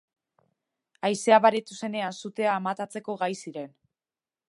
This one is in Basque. Haizea baretu zenean, sutea amatatzeko gai ziren.